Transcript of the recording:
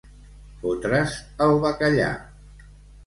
Fotre's el bacallà.